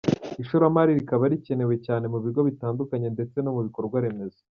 Ishoramari rikaba rikenewe cyane mu bigo bitandukanye ndetse no mu bikorwaremezo.